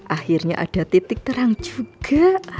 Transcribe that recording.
akhirnya ada titik terang juga